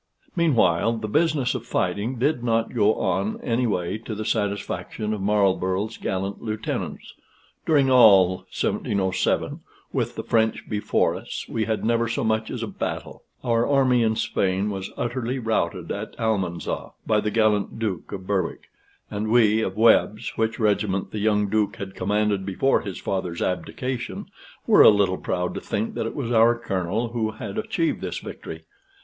Meanwhile the business of fighting did not go on any way to the satisfaction of Marlborough's gallant lieutenants. During all 1707, with the French before us, we had never so much as a battle; our army in Spain was utterly routed at Almanza by the gallant Duke of Berwick; and we of Webb's, which regiment the young Duke had commanded before his father's abdication, were a little proud to think that it was our colonel who had achieved this victory.